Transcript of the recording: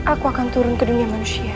aku akan turun ke dunia manusia